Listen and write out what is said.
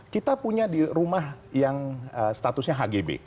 kita punya di rumah yang statusnya hgb